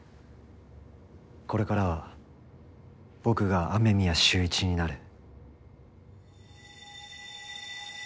これからは僕が雨宮秀一になる。